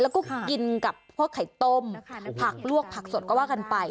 แล้วก็กินกับพวกไข่ต้มผักลวกผักสดก็ว่ากันไป